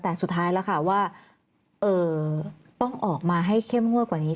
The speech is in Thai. แต่สุดท้ายแล้วค่ะว่าต้องออกมาให้เข้มงวดกว่านี้